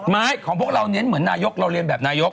ของพวกเราเน้นเหมือนนายกเราเรียนแบบนายก